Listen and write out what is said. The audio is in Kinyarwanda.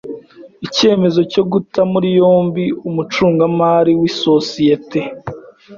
Icyemezo cyo guta muri yombi umucungamari w’isosiyete.